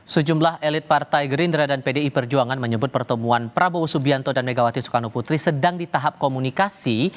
sejumlah elit partai gerindra dan pdi perjuangan menyebut pertemuan prabowo subianto dan megawati soekarno putri sedang di tahap komunikasi